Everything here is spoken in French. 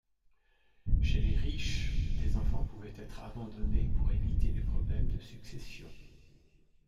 Chez les riches, les enfants pouvaient être abandonnés pour éviter les problèmes de succession.